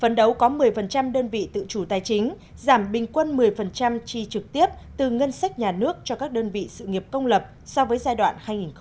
phấn đấu có một mươi đơn vị tự chủ tài chính giảm bình quân một mươi chi trực tiếp từ ngân sách nhà nước cho các đơn vị sự nghiệp công lập so với giai đoạn hai nghìn một mươi sáu hai nghìn hai mươi